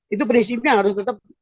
itu prinsipnya harus tetap